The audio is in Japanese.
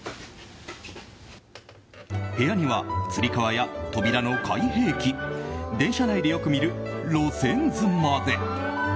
部屋には、つり革や扉の開閉器電車内でよく見る路線図まで。